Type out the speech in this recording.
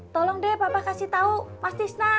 tolong deh papa kasih tahu mas fisna